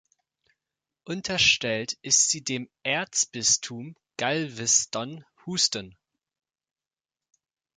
Unterstellt ist sie dem Erzbistum Galveston-Houston.